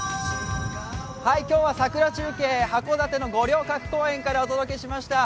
今日は桜中継、函館の五稜郭公園からお届けしました。